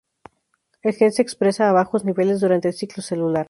El gen se expresa a bajos niveles durante el ciclo celular.